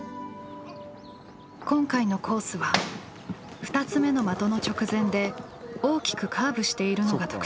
今回のコースは２つ目の的の直前で大きくカーブしているのが特徴です。